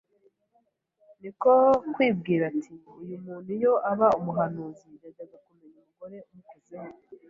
niko kwibwira ati : "Uyu muntu iyo aba umuhanuzi yajyaga kumenya umugore umukozeho